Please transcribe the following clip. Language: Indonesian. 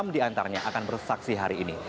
enam diantaranya akan bersaksi hari ini